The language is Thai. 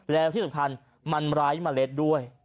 แล้วที่สำคัญมันไร้เมล็ดด้วย